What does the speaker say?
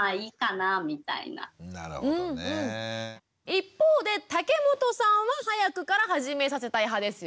一方で竹本さんは早くから始めさせたい派ですよね？